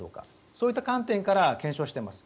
そういった観点から検証しています。